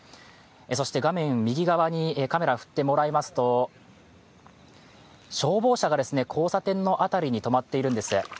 そして画面右側にカメラ振ってもらいますと、消防車が交差点の辺りに止まっているんです。